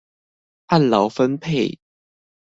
按勞分配